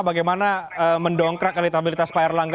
bagaimana mendongkrak keletabilitas payarlangga